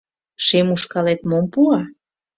- Шем ушкалет мом пуа?